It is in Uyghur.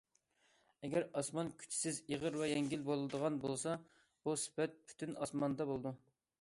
ئەگەر ئاسمان كۈچسىز ئېغىر ۋە يەڭگىل بولىدىغان بولسا، بۇ سۈپەت پۈتۈن ئاسماندا بولىدۇ.